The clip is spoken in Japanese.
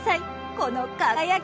この輝き。